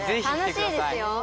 たのしいですよ。